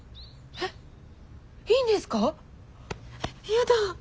えっやだ。